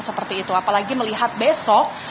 seperti itu apalagi melihat besok